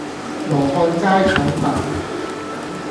羅漢齋腸粉